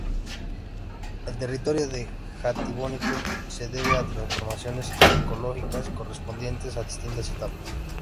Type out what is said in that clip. El territorio de Jatibonico se debe a transformaciones ecológicas correspondientes a distintas etapas.